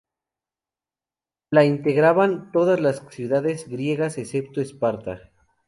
La integraban todas las ciudades griegas excepto Esparta.